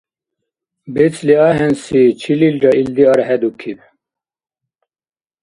БецӀли ахӀенси чилилра илди архӀедукиб.